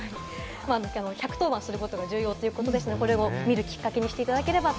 １１０番することが重要ということでこれを見るきっかけにしていただければと。